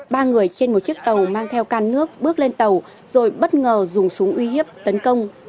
ba người trên một chiếc tàu mang theo can nước bước lên tàu rồi bất ngờ dùng súng uy hiếp tấn công